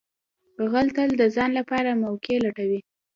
غل تل د ځان لپاره موقع لټوي